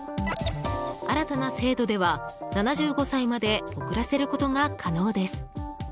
新たな制度では、７５歳まで遅らせることが可能です。